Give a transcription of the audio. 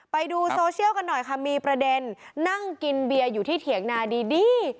ไปดูโซเชียลกันหน่อยค่ะมีประเด็นนั่งกินเบียร์อยู่ที่เถียงนาดี